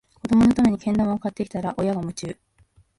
子どものためにけん玉買ってきたら、親が夢中